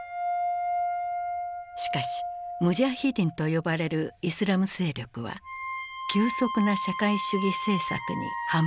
しかしムジャヒディンと呼ばれるイスラム勢力は急速な社会主義政策に反発。